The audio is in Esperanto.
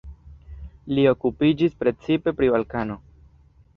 Li okupiĝis precipe pri Balkano.